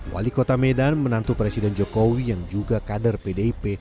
wali kota medan menantu presiden jokowi yang juga kader pdip